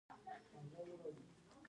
برخلیک باید د خپلې ټاکنې محصول وي.